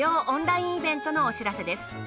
オンラインイベントのお知らせです。